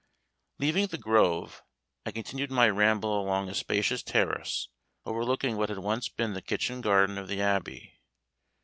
Leaving the grove, I continued my ramble along a spacious terrace, overlooking what had once been the kitchen garden of the Abbey.